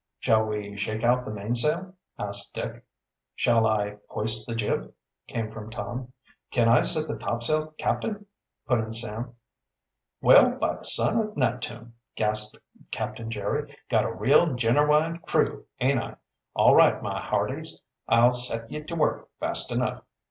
"Shall we shake out the mainsail?" asked Dick. "Shall I hoist the jib?" came from Tom. "Can I set the topsail, captain?" put in Sam. "Well, by the son o' Neptune!" gasped Captain Jerry. "Got a real, generwine crew, aint I? All right, my hearties, I'll set ye to work fast enough."